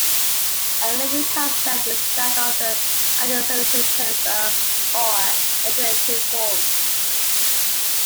A related concept is that of the antisymmetric tensor or alternating form.